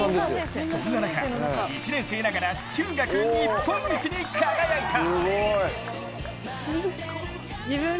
そんな中、１年生ながら中学日本一に輝いた。